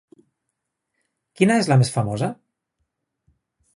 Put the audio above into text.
Quina és la més famosa?